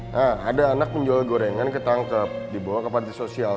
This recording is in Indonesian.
nah ada anak penjual gorengan ketangkep di bawah kapal sosial